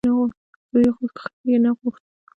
ـ زوی یې غوښت خیر یې نه غوښت .